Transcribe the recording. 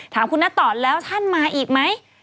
ถามคุณนัทต่อแล้วท่านมาอีกไหม